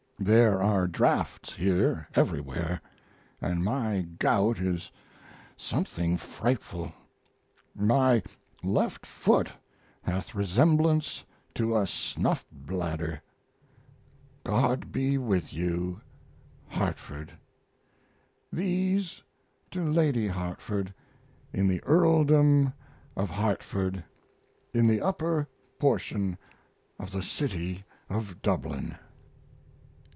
There are draughts here everywhere and my gout is something frightful. My left foot hath resemblance to a snuff bladder. God be with you. HARTFORD. These to Lady Hartford, in the earldom of Hartford, in the upper portion of the city of Dublin.